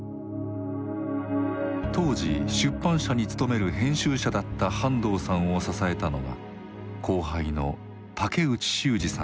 当時出版社に勤める編集者だった半藤さんを支えたのが後輩の竹内修司さんです。